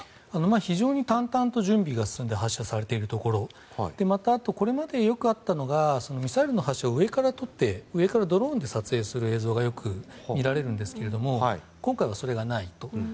非常に淡々と準備が進んで発射されているところまたこれまでよくあったのがミサイルの発射を上から撮って上からドローンで撮影される場面がよく見られるんですけれども今回はそれがないと。